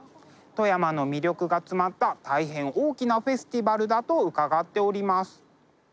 富山の魅力が詰まった大変大きなフェスティバルだと伺っております。